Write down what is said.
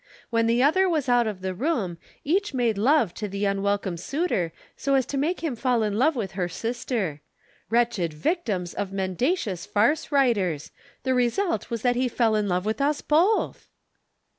When the other was out of the room, each made love to the unwelcome suitor so as to make him fall in love with her sister. Wretched victims of mendacious farce writers! The result was that he fell in love with us both!"